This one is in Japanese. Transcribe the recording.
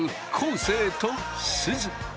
生とすず。